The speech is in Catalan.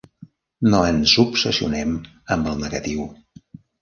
No ens obsessionem amb el negatiu.